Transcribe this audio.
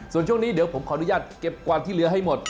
ส่วนช่วงนี้เดี๋ยวผมขออนุญาตเก็บกวาดที่เรือให้หมด